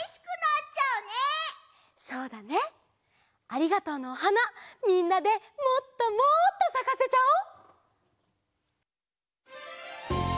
ありがとうのおはなみんなでもっともっとさかせちゃおう！